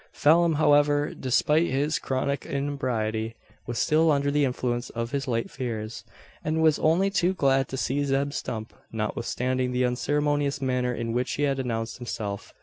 Phelim, however, despite his chronic inebriety, was still under the influence of his late fears, and was only too glad to see Zeb Stump, notwithstanding the unceremonious manner in which he had announced himself.